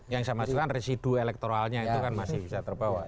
yang saya maksudkan residu elektoralnya itu kan masih bisa terbawa